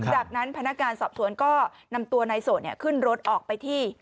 จากนั้นพนักงานสอบสวนก็นำตัวนายโสดขึ้นรถออกไปที่